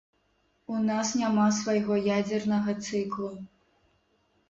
У нас няма свайго ядзернага цыклу.